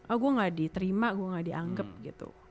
oh gue gak diterima gue gak dianggap gitu